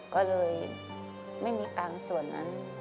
ก็เลยไม่มีกลางส่วนนั้น